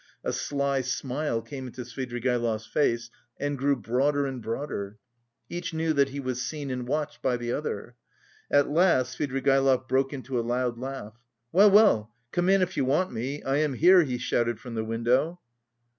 A sly smile came into Svidrigaïlov's face and grew broader and broader. Each knew that he was seen and watched by the other. At last Svidrigaïlov broke into a loud laugh. "Well, well, come in if you want me; I am here!" he shouted from the window.